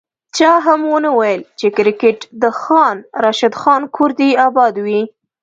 چا هم ونه ویل چي کرکیټ د خان راشد خان کور دي اباد وي